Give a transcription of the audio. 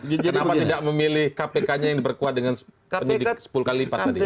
kenapa tidak memilih kpk nya yang diperkuat dengan penyidik sepuluh kali lipat tadi